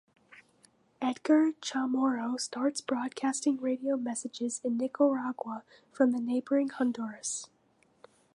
Edgar Chamorro starts broadcasting radio messages in Nicaragua from the neighboring Honduras.